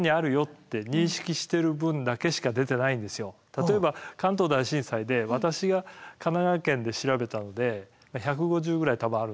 例えば関東大震災で私が神奈川県で調べたので１５０ぐらい多分あるんですけど３分の１も出てないんです。